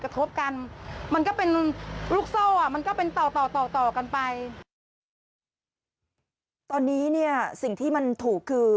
ตอนนี้สิ่งที่ถูกคือ